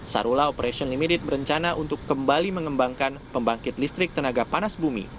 sarula operation limited berencana untuk kembali mengembangkan pembangkit listrik tenaga panas bumi